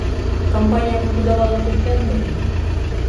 Кампанія пабудавала толькі адну лінію.